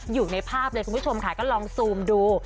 อยู่ในภาพเลยคุณผู้ชมค่ะก็ลองซูมดู